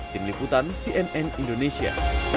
tim liputan cnn indonesia